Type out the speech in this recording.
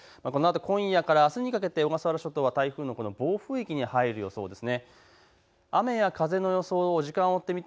このあと今夜からあすにかけて小笠原諸島は台風の暴風域に入る予想です。